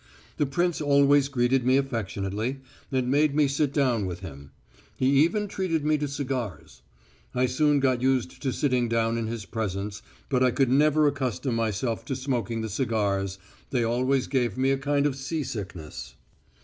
The prince always greeted me affectionately, and made me sit down with him. He even treated me to cigars. I soon got used to sitting down in his presence, but I could never accustom myself to smoking the cigars they always gave me a kind of sea sickness.